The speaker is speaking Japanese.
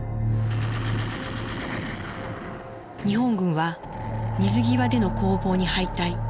日本軍は水際での攻防に敗退。